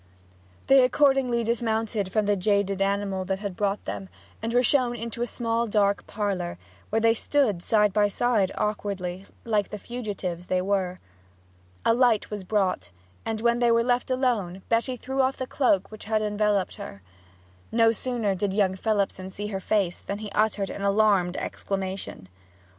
They accordingly dismounted from the jaded animal that had brought them, and were shown into a small dark parlour, where they stood side by side awkwardly, like the fugitives they were. A light was brought, and when they were left alone Betty threw off the cloak which had enveloped her. No sooner did young Phelipson see her face than he uttered an alarmed exclamation.